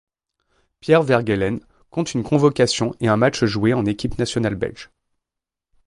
Pierre Vergeylen compte une convocation et un match joué en équipe nationale belge.